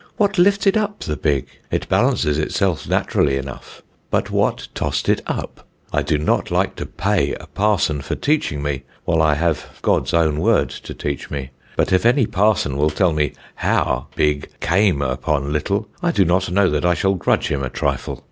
What lifted up the big? It balances itself naturally enough; but what tossed it up? I do not like to pay a parson for teaching me, while I have 'God's own Word' to teach me; but if any parson will tell me how big came upon little, I do not know that I shall grudge him a trifle.